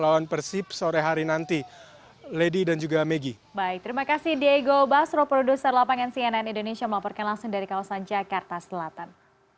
dan sip sore hari nanti lady dan juga meggy baik terima kasih diego basro produser lapangan cnn indonesia melaporkan langsung dari kawasan jakarta selatan